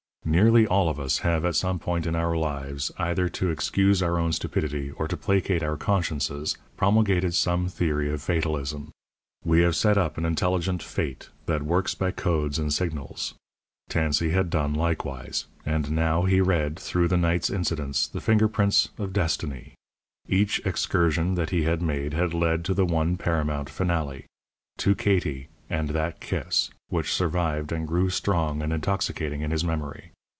Nearly all of us have, at some point in our lives either to excuse our own stupidity or to placate our consciences promulgated some theory of fatalism. We have set up an intelligent Fate that works by codes and signals. Tansey had done likewise; and now he read, through the night's incidents, the finger prints of destiny. Each excursion that he had made had led to the one paramount finale to Katie and that kiss, which survived and grew strong and intoxicating in his memory.